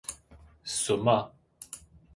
人参